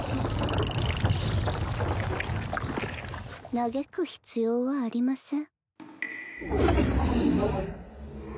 嘆く必要はありません。